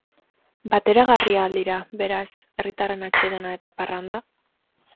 Bateragarria al dira, beraz, herritarren atsedena eta parranda?